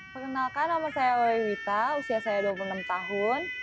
perkenalkan nama saya oli wita usia saya dua puluh enam tahun